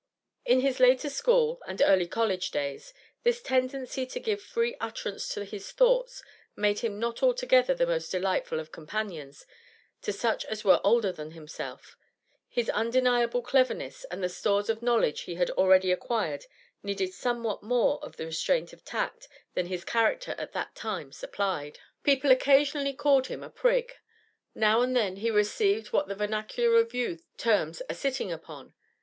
In his later school, and early college, days this tendency to give free utterance to his thoughts made him not altogether the most delightful of companions to such as were older than himself; his undeniable cleverness and the stores of knowledge he had already acquired needed somewhat more of the restraint of tact than his character at that time supplied. People occasionally called him a prig; now and then he received what the vernacular of youth terms 'a sitting upon.'